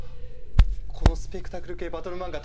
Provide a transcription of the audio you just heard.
このスペクタクル系バトル漫画